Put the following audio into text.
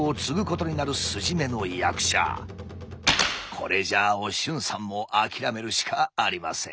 これじゃあお俊さんも諦めるしかありません。